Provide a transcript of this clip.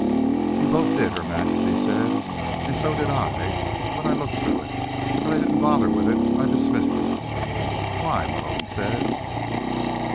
"You both did," Her Majesty said. "And so did I, when I looked through it. But I didn't bother with it. I dismissed it." "Why?" Malone said.